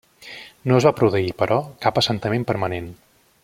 No es va produir, però, cap assentament permanent.